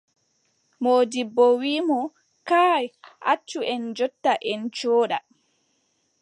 Moodibbo wii mo : kaay, accu en njotta, en cooda.